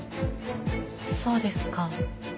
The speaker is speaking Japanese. そうですか。